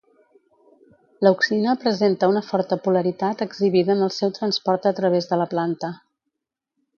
L'auxina presenta una forta polaritat exhibida en el seu transport a través de la planta.